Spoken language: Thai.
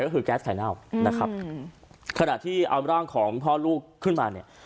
ก็คือแก๊สไข่เน่านะครับขณะที่เอาร่างของพ่อลูกขึ้นมาเนี่ย